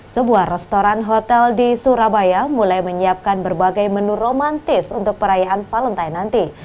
sebuah restoran hotel di surabaya mulai menyiapkan berbagai menu romantis untuk perayaan valentine nanti